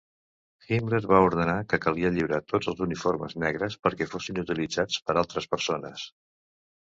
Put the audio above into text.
Himmler va ordenar que calia lliurar tots els uniformes negres perquè fossin utilitzats per altres persones.